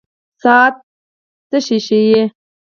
ساعت څه ښيي؟